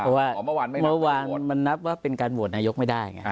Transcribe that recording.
เพราะว่าเมื่อวานมันนับว่าเป็นการโหวตนายกไม่ได้ไง